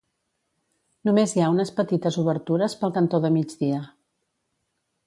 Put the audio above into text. Només hi ha unes petites obertures pel cantó de migdia.